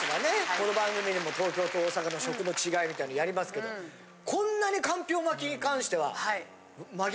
この番組でも東京と大阪の食の違いみたいなやりますけどこんなにかんぴょう巻きに関しては真逆。